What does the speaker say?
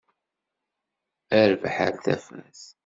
A rrbeḥ a tafat!